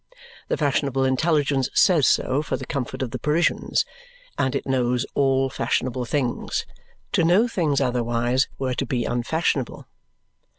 The fashionable intelligence says so for the comfort of the Parisians, and it knows all fashionable things. To know things otherwise were to be unfashionable.